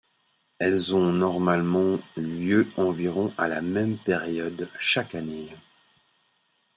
Elles ont normalement lieu environ à la même période chaque année.